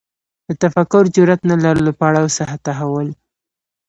د تفکر جرئت نه لرلو پړاو څخه تحول